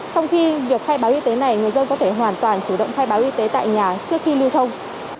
trong khi việc khai báo y tế này người dân có thể hoàn toàn chủ động khai báo y tế tại nhà trước khi lưu thông